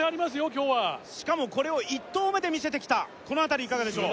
今日はしかもこれを１投目で見せてきたこのあたりいかがでしょう？